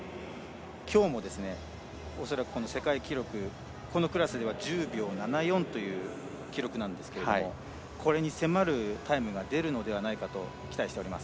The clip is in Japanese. きょうも恐らくこの世界記録このクラスでは１０秒７４という記録なんですけどこれに迫るタイムが出るのではないかと期待しております。